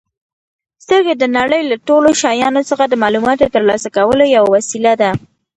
سترګې د نړۍ له ټولو شیانو څخه د معلوماتو ترلاسه کولو یوه وسیله ده.